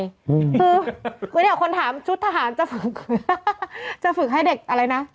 คือเนี่ยคนถามชุดทหารจะฝึกจะฝึกให้เด็กอะไรนะ